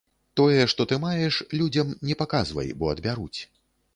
Тое, што ты маеш, людзям не паказвай, бо адбяруць.